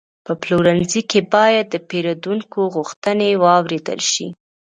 په پلورنځي کې باید د پیرودونکو غوښتنې واورېدل شي.